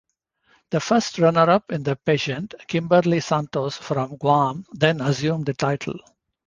The first runner-up in the pageant, Kimberley Santos from Guam, then assumed the title.